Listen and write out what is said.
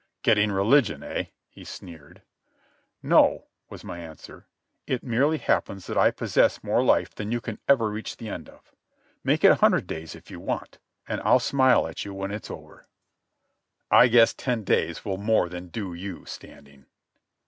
"Getting religion, eh?" he sneered. "No," was my answer. "It merely happens that I possess more life than you can ever reach the end of. Make it a hundred days if you want, and I'll smile at you when it's over." "I guess ten days will more than do you, Standing."